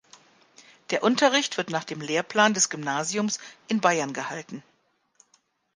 Der Unterricht wird nach dem Lehrplan des Gymnasiums in Bayern gehalten.